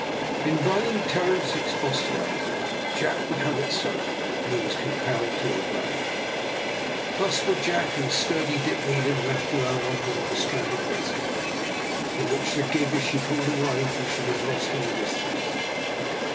In vain Terence expostulated. Jack would have it so, and he was compelled to obey. Thus were Jack and sturdy Dick Needham left alone on board the stranded vessel. They watched the gig as she pulled away, till she was lost in the distance.